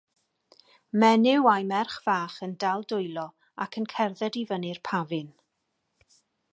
Menyw a'i merch fach yn dal dwylo ac yn cerdded i fyny'r pafin.